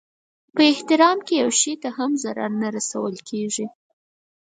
په احرام کې یو شي ته هم ضرر نه رسېږي.